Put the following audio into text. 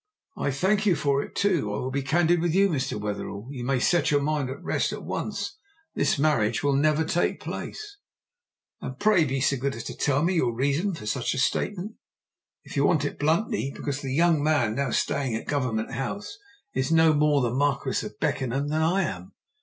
"I thank you for it. I, too, will be candid with you. Mr. Wetherell, you may set your mind at rest at once, this marriage will never take place!" "And pray be so good as to tell me your reason for such a statement?" "If you want it bluntly, because the young man now staying at Government House is no more the Marquis of Beckenham than I am.